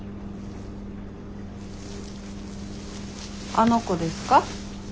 あの子ですか？